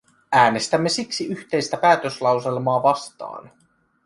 Äänestämme siksi yhteistä päätöslauselmaa vastaan.